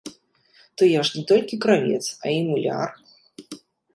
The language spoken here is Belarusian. То я ж не толькі кравец, а і муляр.